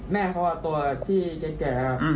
แม่เขาตัวพี่แก่ครับ